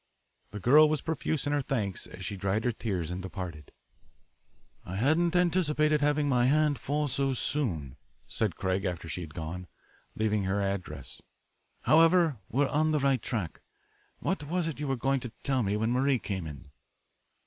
The girl was profuse in her thanks as she dried her tears and departed. "I hadn't anticipated having my hand forced so soon," said Craig after she had gone, leaving her address. "However, we are on the right track. What was it that you were going to tell me when Marie came in?"